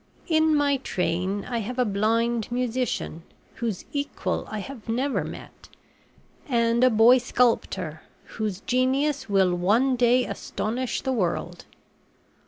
"In my train I have a blind musician, whose equal I have never met, and a boy sculptor whose genius will one day astonish the world.